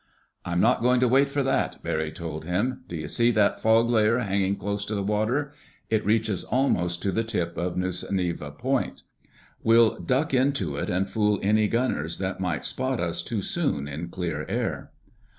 "I'm not going to wait for that," Barry told him. "Do you see that fog layer hanging close to the water? It reaches almost to the tip of Nusanive Point. We'll duck into it and fool any gunners that might spot us too soon in clear air."